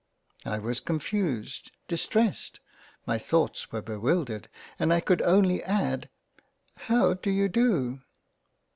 I was confused — distressed — my thoughts were bewildered — and I could only add —" How do you do